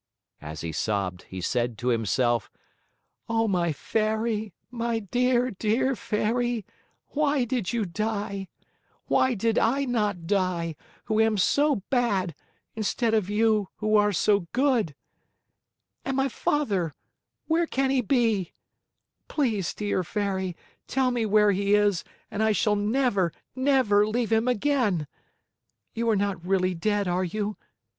As he sobbed he said to himself: "Oh, my Fairy, my dear, dear Fairy, why did you die? Why did I not die, who am so bad, instead of you, who are so good? And my father where can he be? Please dear Fairy, tell me where he is and I shall never, never leave him again! You are not really dead, are you?